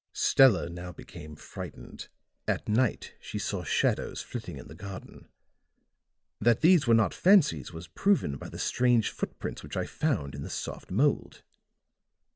"Stella now became frightened. At night she saw shadows flitting in the garden; that these were not fancies was proven by the strange foot prints which I found in the soft mould.